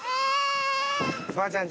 ばあちゃん